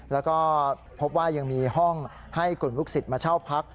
แล้วก็พบว่ายังมีห้องให้กลุ่มลูกศิษย์มาเช่าพัก